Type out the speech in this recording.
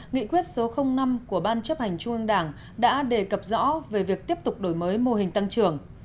nghị quyết số năm của ban chấp hành trung ương đảng đã đề cập rõ về việc tiếp tục đổi mới mô hình tăng trưởng